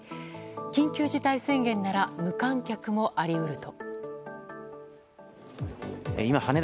緊急事態宣言なら無観客もあり得ると。